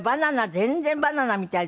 全然バナナみたいですね。